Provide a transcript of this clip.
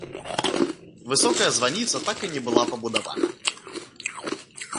Высокая званіца так і не была пабудавана.